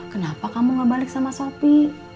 kenapa kamu gak balik sama sapi